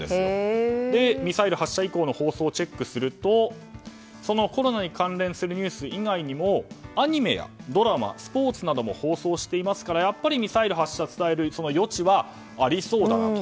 ミサイル発射以降の放送をチェックするとコロナに関連するニュース以外にもアニメやドラマ、スポーツなども放送していますからやっぱりミサイル発射を伝える余地はありそうだなと。